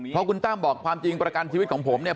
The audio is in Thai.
เพราะคุณตั้มบอกความจริงประกันชีวิตของผมเนี่ย